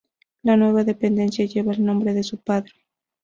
La nueva dependencia lleva el nombre de su padre.